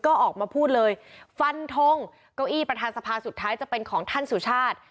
ก็ออกมาพูดเลยฟันทงเก้าอี้ประธานสภาสุดท้ายจะเป็นของท่านสุชาติ